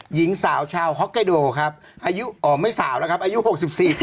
หญิงสาวชาวฮ็อกไกโดครับอายุอ๋อไม่สาวแล้วครับอายุหกสิบสี่ปี